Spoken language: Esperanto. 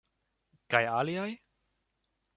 Kaj aliaj?